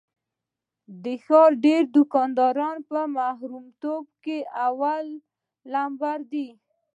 د ښار ډېری دوکانداران په حرامتوب کې اول لمبر دي.